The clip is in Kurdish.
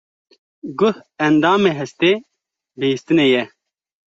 Guh endamê hestê bihîstinê ye.